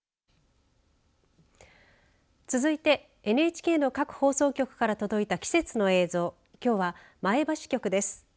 続いて、ＮＨＫの各放送局から届いた季節の映像きょうは前橋局です。